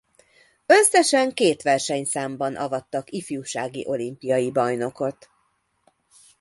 Összesen két versenyszámban avattak ifjúsági olimpiai bajnokot.